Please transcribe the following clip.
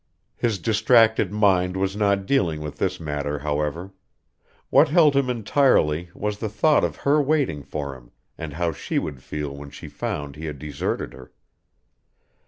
His distracted mind was not dealing with this matter, however. What held him entirely was the thought of her waiting for him and how she would feel when she found he had deserted her.